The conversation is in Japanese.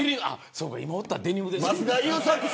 そうか今、おったらデニムですね。